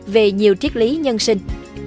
về nhiều triết lý nhân sinh